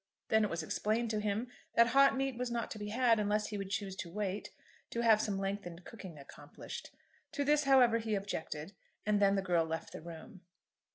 Then it was explained to him that hot meat was not to be had, unless he would choose to wait, to have some lengthened cooking accomplished. To this, however, he objected, and then the girl left the room.